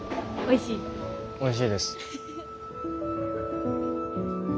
おいしいです。